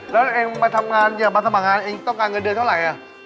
แล้วเองมาทำงานอย่ามาสมัครงานเองต้องการเงินเดือนเท่าไหร่